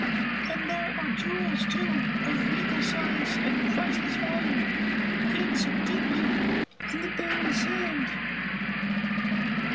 And there are jewels, too, of regal size and priceless value, hidden so deeply in the barren sand!